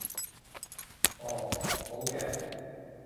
哦，好嘅